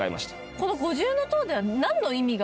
この五重塔には何の意味がある？